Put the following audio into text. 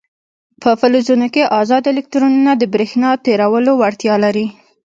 په فلزونو کې ازاد الکترونونه د برېښنا تیرولو وړتیا لري.